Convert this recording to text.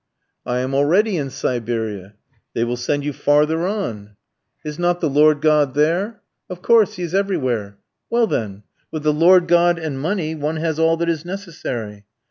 "I am already in Siberia." "They will send you farther on." "Is not the Lord God there?" "Of course, he is everywhere." "Well, then! With the Lord God, and money, one has all that is necessary."